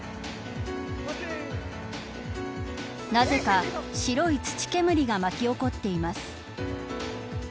なぜか白い土煙が巻き起こっています。